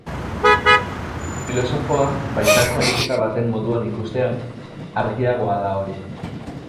Filosofoa baitako ariketa baten moduan ikustean, argiagoa da hori.